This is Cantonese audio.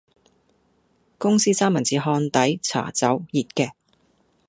公司三文治烘底，茶走，熱嘅